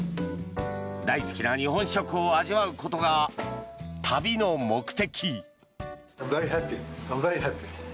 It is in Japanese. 大好きな日本食を味わうことが旅の目的。